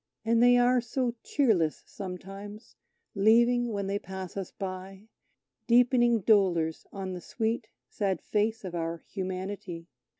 And they are so cheerless sometimes, leaving, when they pass us by, Deepening dolours on the sweet, sad face of our Humanity.